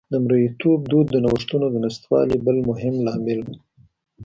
د مریتوب دود د نوښتونو د نشتوالي بل مهم لامل و